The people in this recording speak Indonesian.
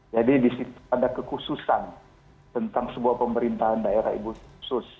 jadi di situ ada kekhususan tentang sebuah pemerintahan daerah khusus